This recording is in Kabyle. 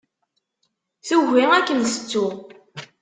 Tugi ad kem-tettu.